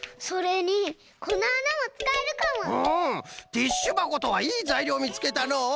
ティッシュばことはいいざいりょうみつけたのう。